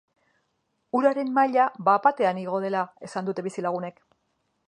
Uraren maila bat-batean igo dela esan dute bizilagunek.